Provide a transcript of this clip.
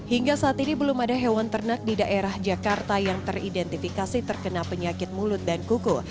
hingga saat ini belum ada hewan ternak di daerah jakarta yang teridentifikasi terkena penyakit mulut dan kuku